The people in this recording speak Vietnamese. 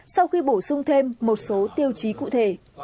sau khi bổ sung thêm một số tiêu chí cụ thể